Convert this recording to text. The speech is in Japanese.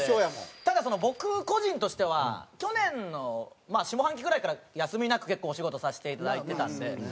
ただ僕個人としては去年の下半期ぐらいから休みなく結構お仕事させていただいてたんで。